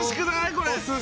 これ。